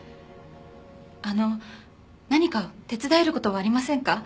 あの何か手伝える事はありませんか？